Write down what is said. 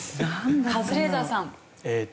カズレーザーさん。